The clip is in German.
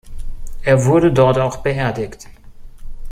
Er wurde dort auch beerdigt.